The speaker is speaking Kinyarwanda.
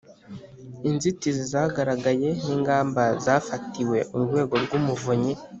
inzitizi zagaragaye n’ingamba zazifatiwe urwego rw'umuvunyi